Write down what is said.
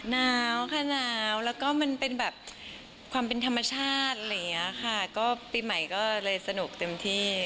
หนาวค่ะหนาวแล้วก็มันเป็นแบบความเป็นธรรมชาติอะไรอย่างนี้ค่ะก็ปีใหม่ก็เลยสนุกเต็มที่